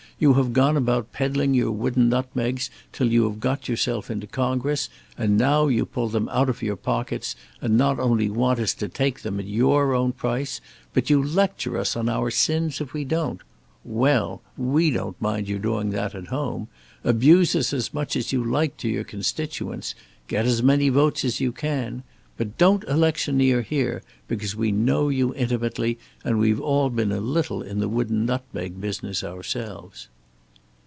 You have gone about peddling your wooden nutmegs until you have got yourself into Congress, and now you pull them out of your pockets and not only want us to take them at your own price, but you lecture us on our sins if we don't. Well! we don't mind your doing that at home. Abuse us as much as you like to your constituents. Get as many votes as you can. But don't electioneer here, because we know you intimately, and we've all been a little in the wooden nutmeg business ourselves."